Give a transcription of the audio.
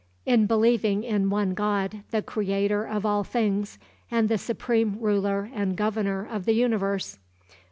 In believing in one God, the creator of all things, and the supreme ruler and governor of the universe.